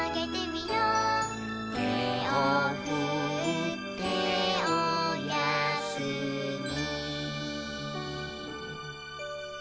「てをふっておやすみ」